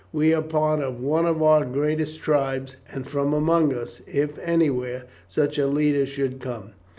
We are part of one of our greatest tribes, and from among us, if anywhere, such a leader should come.